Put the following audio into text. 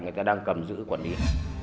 người ta đang cầm giữ quản địa